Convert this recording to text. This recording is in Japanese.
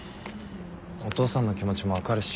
お父さんの気持ちも分かるし。